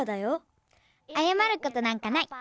あやまることなんかない。